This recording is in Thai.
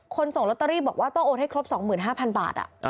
ส่งลอตเตอรี่บอกว่าต้องโอนให้ครบ๒๕๐๐บาท